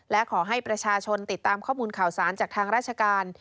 และขอให้ประชาชนติดตามข้อมูลข่าวสารจากทางราชการ